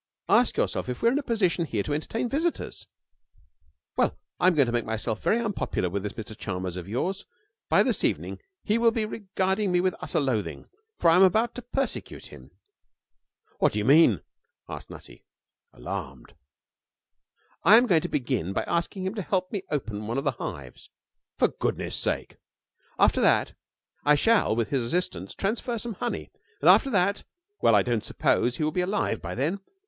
Ask yourself if we are in a position here to entertain visitors. Well, I'm going to make myself very unpopular with this Mr Chalmers of yours. By this evening he will be regarding me with utter loathing, for I am about to persecute him.' 'What do you mean?' asked Nutty, alarmed. 'I am going to begin by asking him to help me open one of the hives.' 'For goodness' sake!' 'After that I shall with his assistance transfer some honey. And after that well, I don't suppose he will be alive by then.